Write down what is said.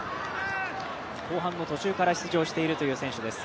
後半の途中から出場しているという選手です。